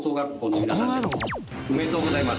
「おめでとうございます」